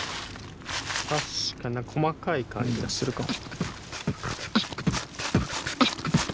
確かに細かい感じがするかも。